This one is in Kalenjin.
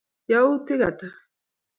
Yautik Ata?